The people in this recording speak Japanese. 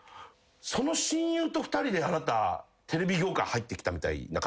「その親友と２人であなたテレビ業界入ってきたみたいな感じするけど」